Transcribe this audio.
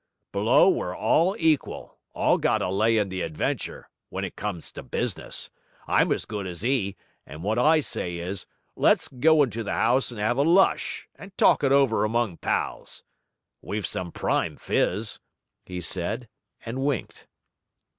Below, we're all equal, all got a lay in the adventure; when it comes to business, I'm as good as 'e; and what I say is, let's go into the 'ouse and have a lush, and talk it over among pals. We've some prime fizz,' he said, and winked.